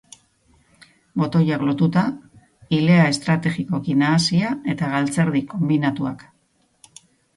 Botoiak lotuta, ilea estrategikoki nahasia eta galtzerdi konbinatuak.